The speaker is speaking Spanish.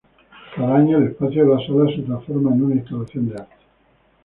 Cada año, el espacio de la sala se transforma en una instalación de arte.